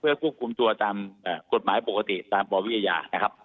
เพื่อคกบอกกลุ่มตัวตามกฎหมายปกติตามความมีตัววิทยานะครับ